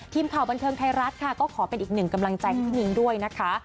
ทีมข่าวบันเทิงไทยรัฐค่ะก็ขอเป็นอีกหนึ่งกำลังใจให้พี่นิ้งด้วยนะคะ